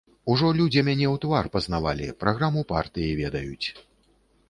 Ужо людзі мяне ў твар пазнавалі, праграму партыі ведаюць.